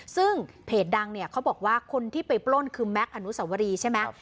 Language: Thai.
ซึ่งเพจดังเนี่ยเขาบอกว่าคนที่ไปปล้นคือแม็กซอนุสวรีใช่ไหม